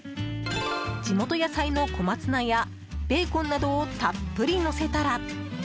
地元野菜の小松菜やベーコンなどをたっぷりのせたら。